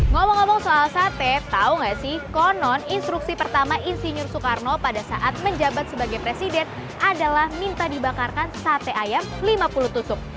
ngomong ngomong soal sate tahu nggak sih konon instruksi pertama insinyur soekarno pada saat menjabat sebagai presiden adalah minta dibakarkan sate ayam lima puluh tusuk